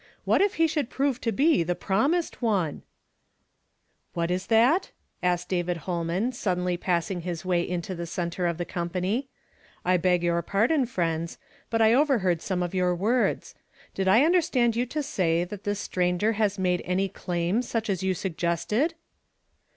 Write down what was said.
What if he should prove to be the promised One ?" "What is that?" asked David Ilolnmn, sud denly pressing his way into the centre of the comi)any. "I beg your pardon, friends, but I ove "heard some of your words. Did I understand you to say that this stranger has made any claim such as j'ou suggested